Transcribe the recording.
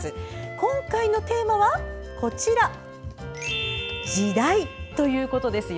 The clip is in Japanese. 今回のテーマは、こちら「時代」ということですよ。